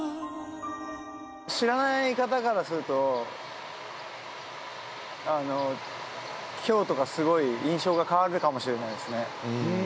知らない方からするときょうとか、すごい印象が変わるかもしれないですね。